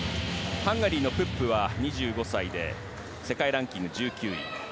ハンガリーのプップは２５歳で世界ランキング１９位。